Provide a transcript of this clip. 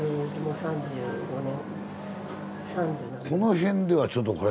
この辺ではちょっとこれ。